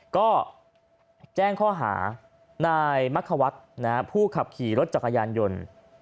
ก็แจ้งข้อหานายมักควัฒน์ผู้ขับขี่รถจักรยานยนต์